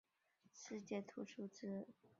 世界图书之都共同评选而出。